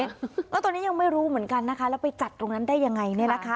แล้วตอนนี้ยังไม่รู้เหมือนกันนะคะแล้วไปจัดตรงนั้นได้ยังไงเนี่ยนะคะ